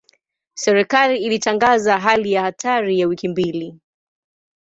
Serikali ilitangaza hali ya hatari ya wiki mbili.